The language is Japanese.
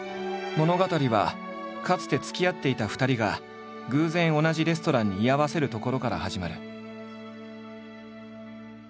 物語はかつてつきあっていた２人が偶然同じレストランに居合わせるところから始まる。